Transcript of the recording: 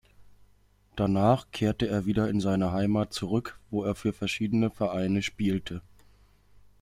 Danach kehrte er wieder in seine Heimat zurück, wo er für verschiedene Vereine spielte.